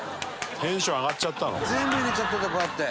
「全部入れちゃったんだこうやって」